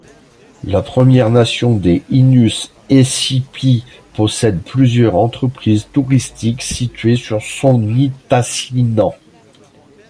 La Première Nation des Innus Essipit possède plusieurs entreprises touristiques situées sur son nitassinan.